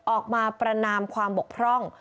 ออกมาประนามความบกพร่อง